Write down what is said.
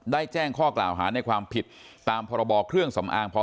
ได้แจ้งข้อกล่าวหาในความผิดตามพศ๒๕๕๘